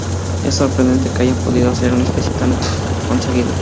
Es sorprendente que hayan podido hacer un especial tan conseguido.